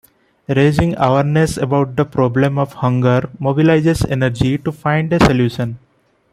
Raising awareness about the problem of hunger mobilizes energy to find a solution.